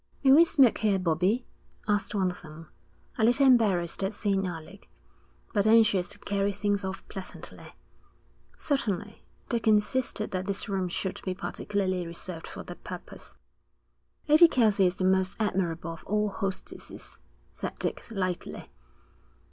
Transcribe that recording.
'May we smoke here, Bobbie?' asked one of them, a little embarrassed at seeing Alec, but anxious to carry things off pleasantly. 'Certainly. Dick insisted that this room should be particularly reserved for that purpose.' 'Lady Kelsey is the most admirable of all hostesses,' said Dick lightly.